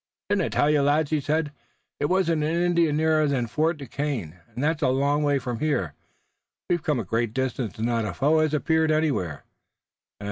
"Didn't I tell you, lads," he said, "there wasn't an Indian nearer than Fort Duquesne, and that's a long way from here! We've come a great distance and not a foe has appeared anywhere.